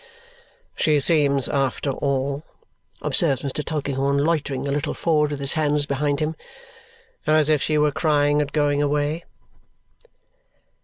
"She seems after all," observes Mr. Tulkinghorn, loitering a little forward with his hands behind him, "as if she were crying at going away."